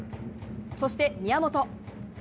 そして宮本。